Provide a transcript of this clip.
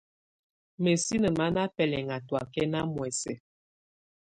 Mǝ́sini má ná bɛlɛŋá tɔákɛna muɛsɛ.